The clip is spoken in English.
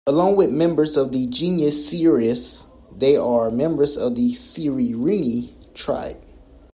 Along with members of the genus "Sciurus", they are members of the Sciurini tribe.